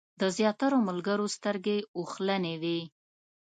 د زیاترو ملګرو سترګې اوښلنې وې.